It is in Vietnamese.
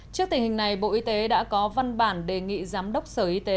trước tình hình này bộ y tế đã có văn bản đề nghị giám đốc sở y tế